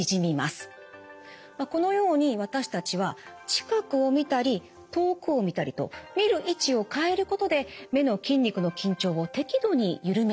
まあこのように私たちは近くを見たり遠くを見たりと見る位置を変えることで目の筋肉の緊張を適度にゆるめているわけです。